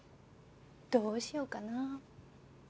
どうしようかな。